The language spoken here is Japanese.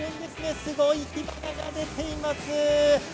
すごく光が出ています。